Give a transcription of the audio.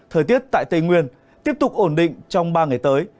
thời tiết tại tây nguyên tiếp tục ổn định trong ba ngày tới